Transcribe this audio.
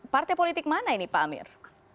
partai politik mana ini pak amir